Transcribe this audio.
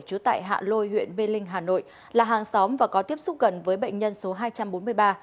trú tại hạ lôi huyện mê linh hà nội là hàng xóm và có tiếp xúc gần với bệnh nhân số hai trăm bốn mươi ba